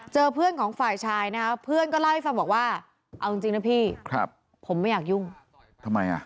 เจอเพื่อนของฝ่ายชายเมื่อก็ล่าวฝ่ายชายบอกว่า